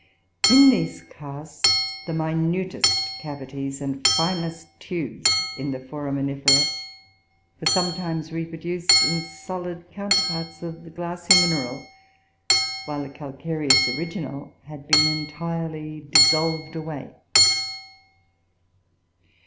In these casts the minutest cavities and finest tubes in the Foraminifer were sornetilnes reproduced in solid counterparts of the glassy mineral, while the calcareous original had been entirely dissolved away.